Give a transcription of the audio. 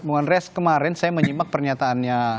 bu andreas kemarin saya menyimak pernyataannya